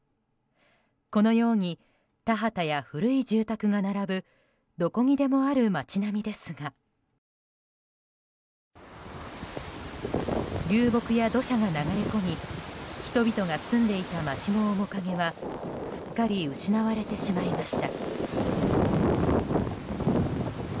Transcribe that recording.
このように田畑や古い住宅が並ぶどこにでもある街並みですが流木や土砂が流れ込み人々が住んでいた街の面影はすっかり失われてしまいました。